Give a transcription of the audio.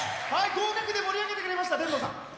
合格で盛り上げてくれました、天童さん。